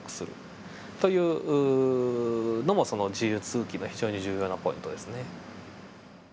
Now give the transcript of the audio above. というのもそのＧ期の非常に重要なポイントですね。